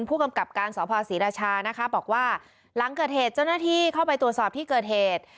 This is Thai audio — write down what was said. ผู้กำกับการสภศรีราชานะคะบอกว่าหลังเกิดเหตุเจ้าหน้าที่เข้าไปตรวจสอบที่เกิดเหตุ